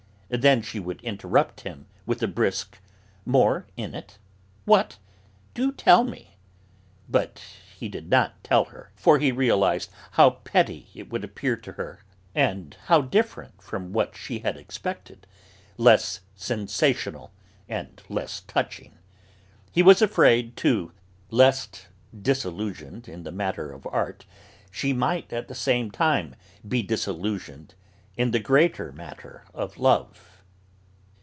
Then she would interrupt with a brisk, "More in it? What?... Do tell me!", but he did not tell her, for he realised how petty it would appear to her, and how different from what she had expected, less sensational and less touching; he was afraid, too, lest, disillusioned in the matter of art, she might at the same time be disillusioned in the greater matter of love.